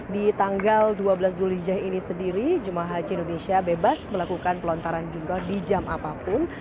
di tanggal dua belas zulhijjah ini sendiri jemaah haji indonesia bebas melakukan pelontaran jumroh di jam apapun